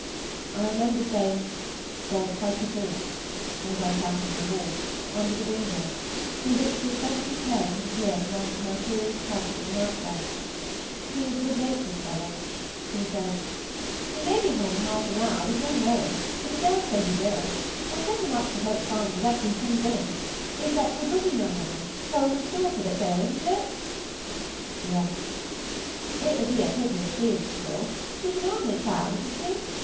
I remember saying, "God help us all!" as I sate on my horse, under the window, through which the apprentice's head had appeared to answer my furious tugs at the night bell. He was a good natured fellow. He said,— "He may be home in half an hour, there's no knowing; but I daresay he will. I'll send him out to the Hope Farm directly he comes in. It's that good looking young woman, Holman's daughter, that's ill, isn't it?" "Yes." "It would be a pity if she was to go. She's an only child, isn't she?